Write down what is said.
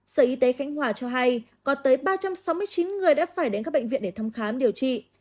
sở y tế khánh hòa cho hay có tới ba trăm sáu mươi chín người đã phải đến các bệnh viện để thăm khám điều trị